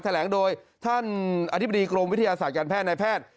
แถลงโดยท่านอธิบดีกรมวิทยาศาสตร์การแพทย์ในแพทย์